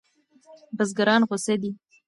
بزګران غوسه دي.